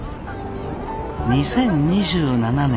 ２０２７年。